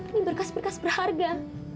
ini berkas berkas berharga